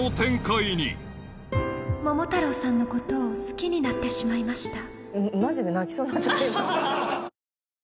「桃太郎さんのことを好きになってしまいました」